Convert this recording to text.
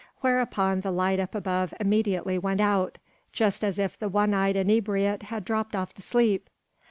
Whereupon the light up above immediately went out, just as if the one eyed inebriate had dropped off to sleep.